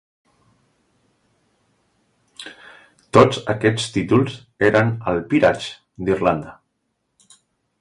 Tots aquests títols eren al Peerage d'Irlanda.